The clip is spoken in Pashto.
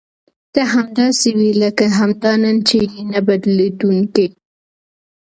ته همداسې وې لکه همدا نن چې یې نه بدلېدونکې.